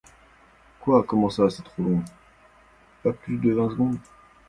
Another company - the Chelsea Waterworks Company - joined the Lambeth Waterworks Company here.